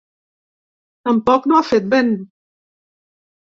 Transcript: Tampoc no ha fet vent.